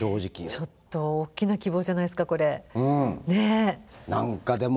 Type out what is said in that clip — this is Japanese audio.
ちょっと大きな希望じゃないですかこれ。